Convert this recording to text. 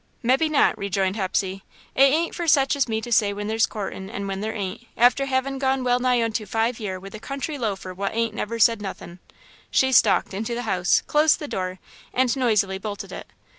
"Mebbe not," rejoined Hepsey. "It ain't fer sech as me to say when there's courtin' and when there ain't, after havin' gone well nigh onto five year with a country loafer what ain't never said nothin'." She stalked into the house, closed the door, and noisily bolted it.